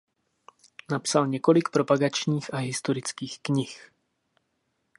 Napsal několik propagačních a historických knih.